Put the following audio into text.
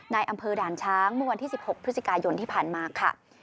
ในอำเภอด่านช้างเมื่อวันที่๑๖พฤศจิกายนที่ผ่านมาค่ะ